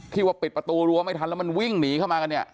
ว่าปิดประตูรั้วไม่ทันแล้วมันวิ่งหนีเข้ามากันเนี่ย